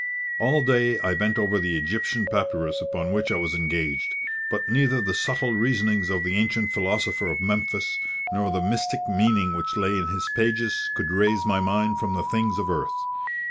All day I bent over the Egyptian papyrus upon which I was engaged; but neither the subtle reasonings of the ancient philosopher of Memphis, nor the mystic meaning which lay in his pages, could raise my mind from the things of earth.